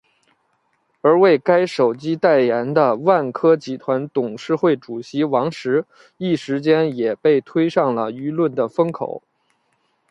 而为该手机代言的万科集团董事会主席王石一时间也被推上了舆论的风口。